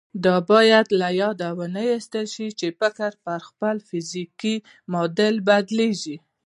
دا بايد له ياده ونه ايستل شي چې فکر پر خپل فزيکي معادل بدلېږي.